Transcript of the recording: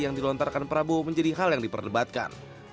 yang dilontarkan prabowo menjadi hal yang diperdebatkan